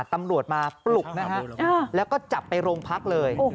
ตำรวจมาปลุกนะฮะแล้วก็จับไปโรงพักเลย